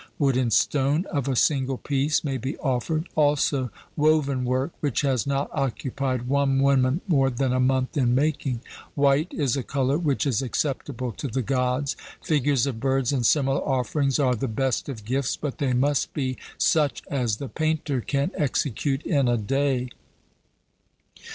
Wood and stone of a single piece may be offered; also woven work which has not occupied one woman more than a month in making. White is a colour which is acceptable to the Gods; figures of birds and similar offerings are the best of gifts, but they must be such as the painter can execute in a day.